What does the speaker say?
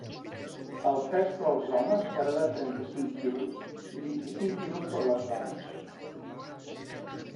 El pes per als homes serà de trenta-cinc quilos i vint-i-cinc quilos per a les dones.